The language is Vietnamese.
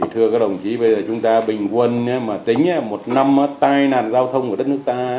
thưa các đồng chí bây giờ chúng ta bình quân mà tính một năm tai nạn giao thông của đất nước ta